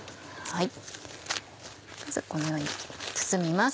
このように包みます。